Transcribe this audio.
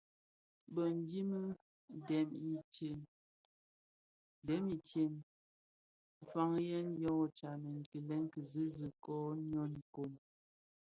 Bë dhini dèm intsem nfayèn yō tsamèn kilè kizizig kè йyō inōk.